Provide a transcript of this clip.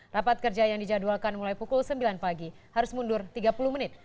rapat kerja yang dijadwalkan mulai pukul sembilan pagi harus mundur tiga puluh menit